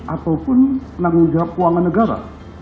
ataupun penanggung jawab keuangan negara